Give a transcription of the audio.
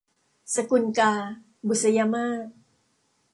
สกุลกา - บุษยมาส